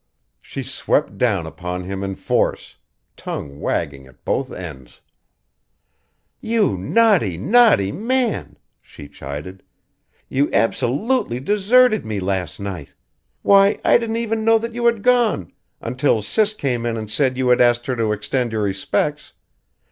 She swept down upon him in force tongue wagging at both ends "You naughty, naughty man!" she chided. "You abso_lute_ly deserted me last night. Why, I didn't even know that you had gone until Sis came in and said you had asked her to extend your respects.